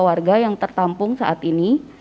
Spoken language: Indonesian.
warga yang tertampung saat ini